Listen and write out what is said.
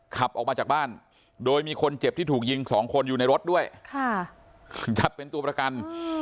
ขับออกมาจากบ้านโดยมีคนเจ็บที่ถูกยิงสองคนอยู่ในรถด้วยจับเป็นตัวประกัน